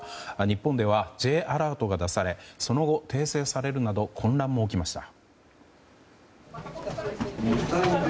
日本では、Ｊアラートが出されその後、訂正されるなど混乱も起きました。